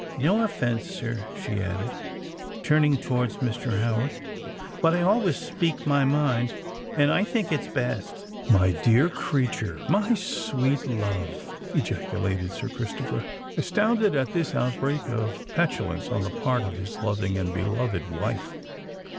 No offence, sir," she added, turning towards Mr. Howard; "but I always speak my mind; and I think it's best." "My dear creature—my sweet love!" ejaculated Sir Christopher, astounded at this outbreak of petulance on the part of his loving and beloved wife.